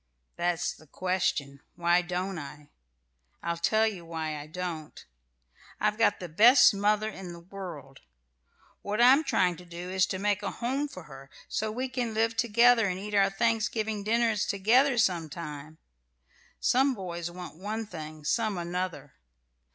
"That's the question: why don't I? I'll tell you why I don't. I've got the best mother in the world. What I'm trying to do is to make a home for her, so we can live together and eat our Thanksgiving dinners together some time. Some boys want one thing, some another.